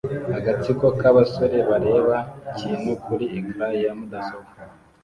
Agatsiko k'abasore bareba ikintu kuri ecran ya mudasobwa